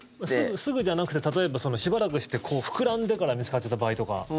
すぐじゃなくて例えば、しばらくして膨らんでから見つかっちゃった場合とか。